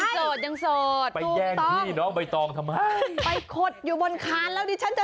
ต้องสอยงูก่อนนะ